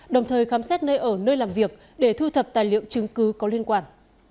đồng thời khám xét nơi ở nơi làm việc để thu thập tài liệu chứng cứ có liên quan